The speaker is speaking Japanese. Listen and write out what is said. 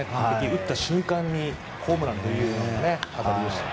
打った瞬間にホームランという当たりでした。